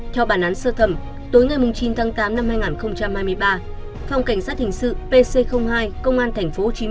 theo bản án sơ thẩm tối ngày chín tháng tám năm hai nghìn hai mươi ba phòng cảnh sát hình sự pc hai công an tp hcm